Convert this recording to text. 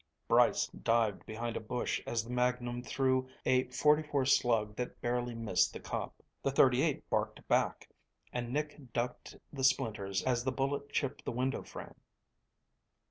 Brice dived behind a bush as the magnum threw a .44 slug that barely missed the cop. The .38 barked back and Nick ducked the splinters as the bullet chipped the window frame.